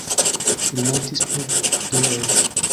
Li mortis pro duelo.